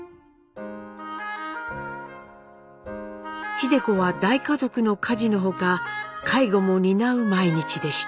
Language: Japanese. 秀子は大家族の家事の他介護も担う毎日でした。